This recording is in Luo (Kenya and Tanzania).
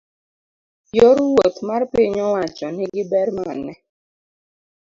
yor wuoth mar piny owacho ni gi ber mane?